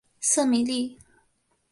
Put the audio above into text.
瑟米利。